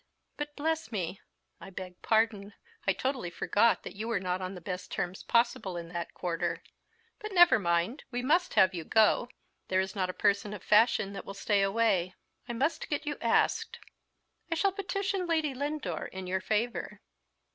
_ But, bless me, I beg pardon, I totally forgot that you were not on the best terms possible in that quarter; but never mind, we must have you go; there is not a person of fashion that will stay away; I must get you asked; I shall petition Lady Lindore in your favour."